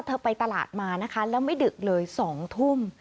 ไปตลาดมานะคะแล้วไม่ดึกเลย๒ทุ่ม